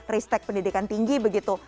risetek pendidikan tinggi begitu